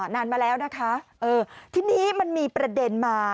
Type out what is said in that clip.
นานมาแล้วนะคะเออทีนี้มันมีประเด็นมา